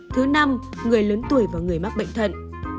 thứ năm người lớn tuổi và người mắc bệnh thận